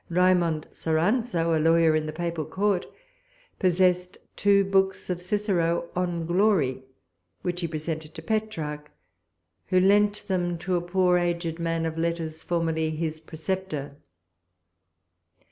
Raimond Soranzo, a lawyer in the papal court, possessed two books of Cicero "on Glory," which he presented to Petrarch, who lent them to a poor aged man of letters, formerly his preceptor.